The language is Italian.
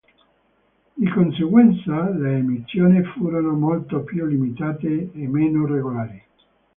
Di conseguenza le emissioni furono molto più limitate e meno regolari.